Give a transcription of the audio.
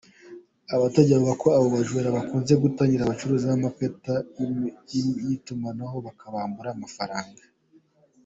Abaturage bavuga ko abo bajura bakunze gutangira abacuruza amakarita y’itumanaho, bakabambura amafaranga.